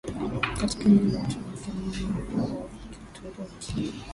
katika eneo la Uturuki na mama wa Kituruki